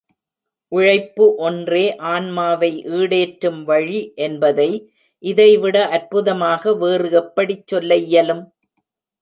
உழைப்பு ஒன்றே ஆன்மாவை ஈடேற்றும் வழி என்பதை, இதைவிட அற்புதமாக வேறு எப்படி சொல்ல இயலும்?